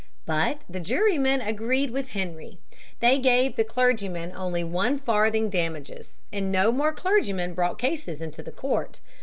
But the jurymen agreed with Henry. They gave the clergyman only one farthing damages, and no more clergymen brought cases into the court.